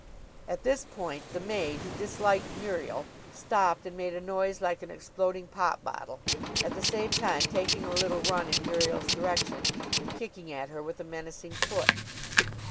At this point the maid, who disliked Muriel, stopped and made a noise like an exploding pop bottle, at the same time taking a little run in Muriel's direction and kicking at her with a menacing foot.